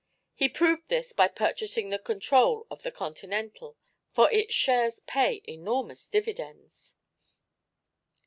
He proved this by purchasing the control of the Continental, for its shares pay enormous dividends.